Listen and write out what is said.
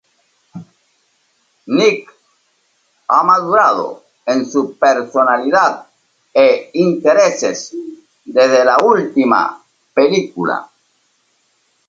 Nick ha madurado en su personalidad e intereses desde la última película.